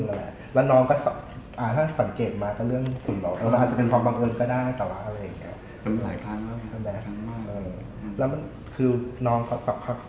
แล้วก็ไหว้และเราก็กราบ